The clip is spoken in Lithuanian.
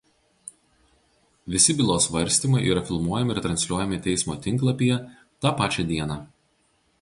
Visi bylos svarstymai yra filmuojami ir transliuojami Teismo tinklapyje tą pačią dieną.